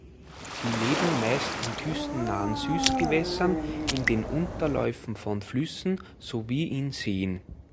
Sie leben meist in küstennahen Süßgewässern, in den Unterläufen von Flüssen sowie in Seen.